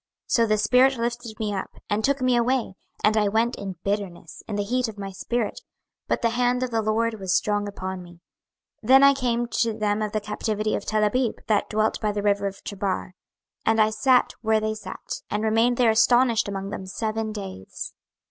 26:003:014 So the spirit lifted me up, and took me away, and I went in bitterness, in the heat of my spirit; but the hand of the LORD was strong upon me. 26:003:015 Then I came to them of the captivity at Telabib, that dwelt by the river of Chebar, and I sat where they sat, and remained there astonished among them seven days.